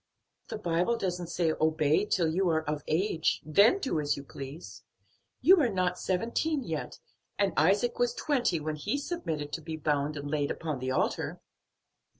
"The Bible doesn't say obey till you are of age, then do as you please. You are not seventeen yet, and Isaac was twenty when he submitted to be bound and laid upon the altar."